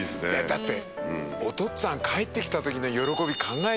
だって。